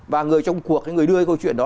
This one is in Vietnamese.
và người trong cuộc người đưa cái câu chuyện đó